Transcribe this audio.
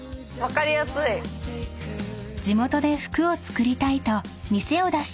［地元で服を作りたいと店を出した伊達さん］